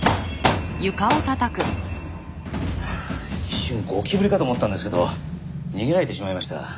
一瞬ゴキブリかと思ったんですけど逃げられてしまいました。